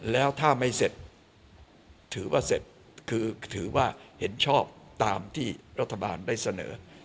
แล้วถ้าไม่เสร็จถือว่าเสร็จคือถือว่าเห็นชอบตามที่รัฐบาลได้เสนอ